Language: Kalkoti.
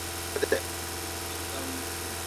منجر وا فیرک نہ دے۔